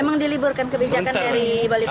memang diliburkan kebijakan dari bali kota